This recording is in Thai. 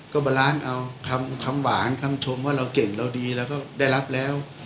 ก็บาลานซ์เอาคำหวานคำชมว่าเราเก่งเราดีเราก็ได้รับแล้ว